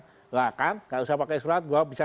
enggak kan enggak usah pakai surat gue bisa